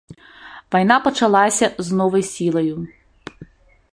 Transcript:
Вайна пачалася з новай сілаю.